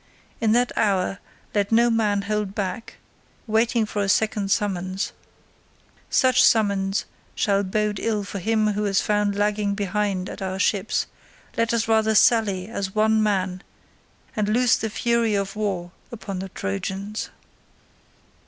In that hour let no man hold back, waiting for a second summons; such summons shall bode ill for him who is found lagging behind at our ships; let us rather sally as one man and loose the fury of war upon the Trojans."